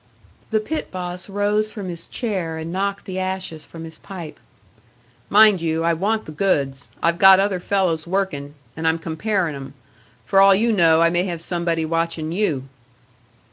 The pit boss rose from his chair and knocked the ashes from his pipe. "Mind you I want the goods. I've got other fellows working, and I'm comparing 'em. For all you know, I may have somebody watching you."